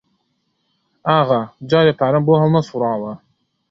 ئاغا جارێ پارەم بۆ هەڵنەسووڕاوە